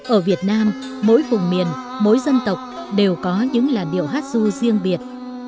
ở việt nam mỗi vùng miền mỗi dân tộc đều có những làn điệu hát du riêng biệt